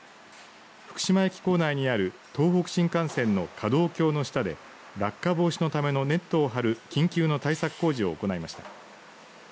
福島駅構内にある東北新幹線の架道橋の下で落下防止のためのネットを張る緊急の対策工事を行いました。